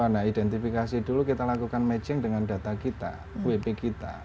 nah identifikasi dulu kita lakukan matching dengan data kita wp kita